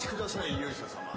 勇者様。